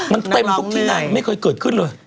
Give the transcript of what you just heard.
มันเต็มทุกที่นางไม่เคยเกิดขึ้นเลย